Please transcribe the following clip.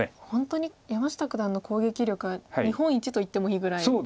本当に山下九段の攻撃力は日本一と言ってもいいぐらい。